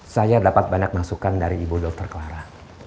terdapat banyak masukan dari ibu dr clara